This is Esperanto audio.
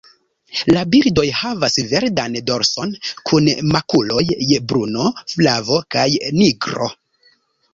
La birdoj havas verdan dorson, kun makuloj je bruno, flavo kaj nigro.